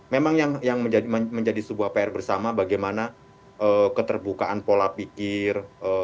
memang yang menjadi sebuah pr bersama bagaimana keterbukaan pola pikir